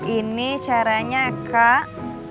ini caranya kak